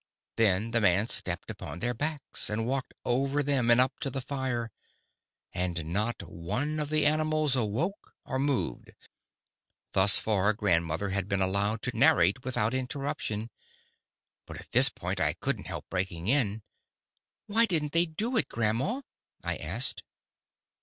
Then the man stepped upon their backs and walked over them and up to the fire. And not one of the animals awoke or moved." Thus far, grandmother had been allowed to narrate without interruption. But at this point I couldn't help breaking in. "Why didn't they do it, grandma?" I asked.